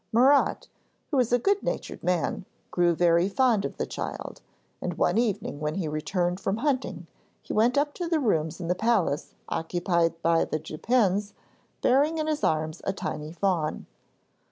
Murat, who was a good natured man, grew very fond of the child, and one evening when he returned from hunting he went up to the rooms in the palace occupied by the Dupins bearing in his arms a tiny fawn.